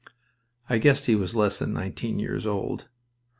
I guessed he was less than nineteen years old.